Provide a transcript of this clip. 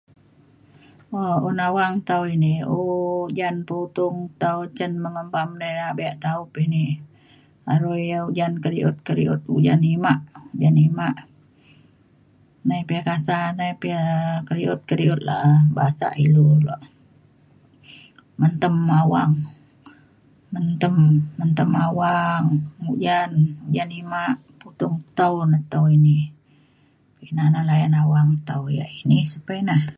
Aak un awang tau ini , ujan putung tau cin nemban nai abe taup ini , aro ya ujan kediut-kediut , ujan imak ujan imak. Nai pa ya kasam nai pa ya kediut la'a, basak ilou tuak , mendem awang , mendem mendem awang, ujan imak , putung tau, tau ini , ini na layan tau awang yak gerimis pa ina.